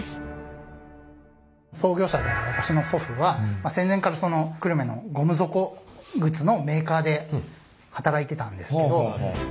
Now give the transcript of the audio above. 創業者である私の祖父は戦前からその久留米のゴム底靴のメーカーで働いてたんですけど。